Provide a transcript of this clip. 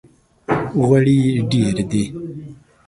غوړي یې ډېر دي!